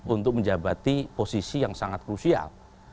untuk menjabati posisi yang sangat krusial